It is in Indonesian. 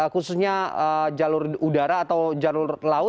khususnya jalur udara atau jalur laut